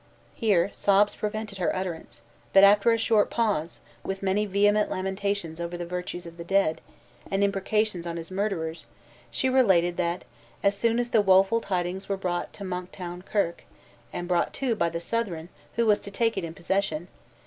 Here sobs prevented her utterance; but after a short pause, with many vehement lamentations over the virtues of the dead, and imprecations on his murderers, she related that as soon as the woful tidings were brought to Monktown kirk (and brought too by the Southron, who was to take it in possession!)